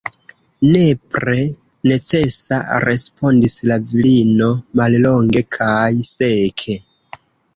Nepre necesa, respondis la virino mallonge kaj seke.